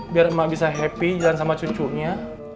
biar emak bisa happy jalan sama cucunya